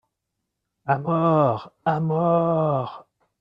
Á mort ! à mort !